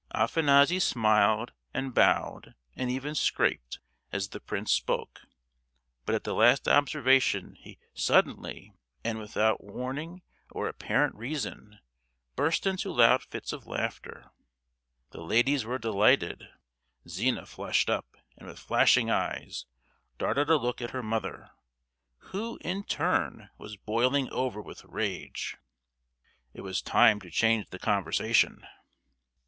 Afanassy smiled and bowed, and even "scraped," as the prince spoke, but at the last observation he suddenly, and without warning or apparent reason, burst into loud fits of laughter. The ladies were delighted. Zina flushed up, and with flashing eyes darted a look at her mother, who, in her turn, was boiling over with rage. It was time to change the conversation.